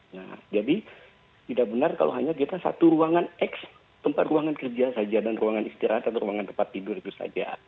nah jadi tidak benar kalau hanya kita satu ruangan x tempat ruangan kerja saja dan ruangan istirahat atau ruangan tempat tidur itu saja